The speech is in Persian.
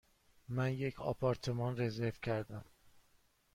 من یک آپارتمان رزرو کردم.